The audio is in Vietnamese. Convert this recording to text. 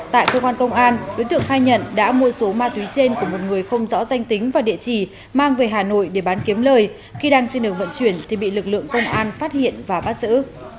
tại cơ quan công an đối tượng khai nhận đã mua số ma túy trên của một người không rõ danh tính và địa chỉ mang về hà nội để bán kiếm lời khi đang trên đường vận chuyển thì bị lực lượng công an phát hiện và bắt xử